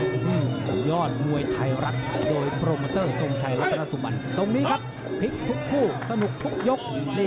ขุนยอดมวยไทยรัฐจุ่งตรงนี้ครับพลิกทุกคู่สนุกทุกยก